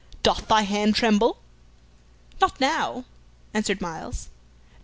Doth thy hand tremble?" "Not now," answered Myles.